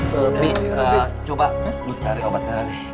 bibi coba lu cari obat merah nih